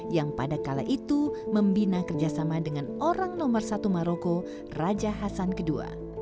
yang pada kala itu membina kerjasama dengan orang nomor satu maroko raja hasan ii